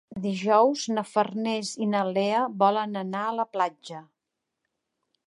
Dijous na Farners i na Lea volen anar a la platja.